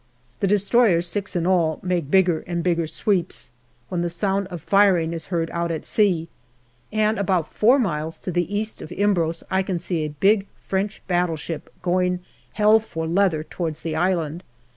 The destroyers, six in all, make bigger and bigger sweeps, when the sound of firing is heard out at sea, and about four miles to the east of Imbros I can see a big French battleship going hell for leather towards the island.